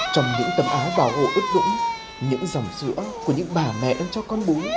trong những tấm áo bào hồ ướt đũng những dòng sữa của những bà mẹ đang cho con bú